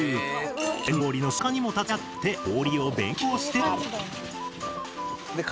天然氷の出荷にも立ち会って氷を勉強してきた！